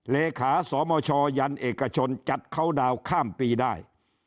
เลขาสมชยันเอกชนจัดเขาดาวน์ข้ามปีได้